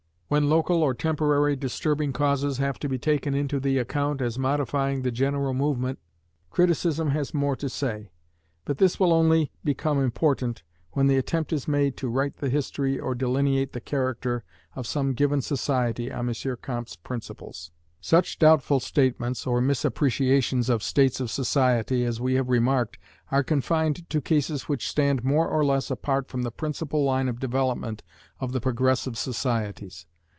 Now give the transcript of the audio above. When local or temporary disturbing causes have to be taken into the account as modifying the general movement, criticism has more to say. But this will only become important when the attempt is made to write the history or delineate the character of some given society on M. Comte's principles. Such doubtful statements, or misappreciations of states of society, as we have remarked, are confined to cases which stand more or less apart from the principal line of development of the progressive societies.